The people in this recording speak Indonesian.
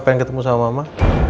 papa ingin ketemu sama mama